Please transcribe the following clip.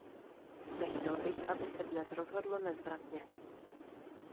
Nechtěl bych, aby se dnes rozhodlo nezvratně.